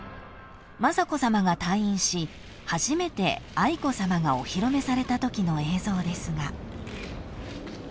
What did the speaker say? ［雅子さまが退院し初めて愛子さまがお披露目されたときの映像ですが］